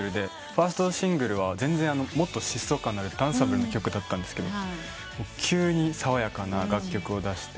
ファーストシングルはもっと疾走感のあるダンサブルな曲だったんですが急に爽やかな楽曲を出して。